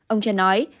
ông trần nói